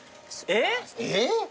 えっ？